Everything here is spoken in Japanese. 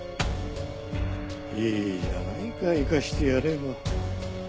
いいじゃないか行かせてやれば。